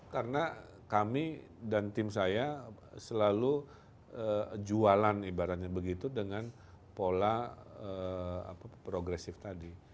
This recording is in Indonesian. karena kami dan tim saya selalu jualan ibaratnya begitu dengan pola progresif tadi